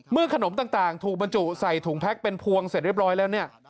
ขนมต่างถูกบรรจุใส่ถุงแพ็คเป็นพวงเสร็จเรียบร้อยแล้วเนี่ย